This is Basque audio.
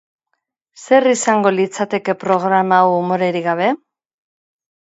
Zer izango litzateke programa hau umorerik gabe?